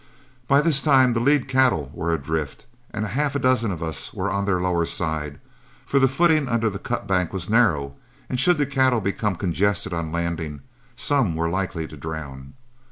By this time the lead cattle were adrift, and half a dozen of us were on their lower side, for the footing under the cutbank was narrow, and should the cattle become congested on landing, some were likely to drown.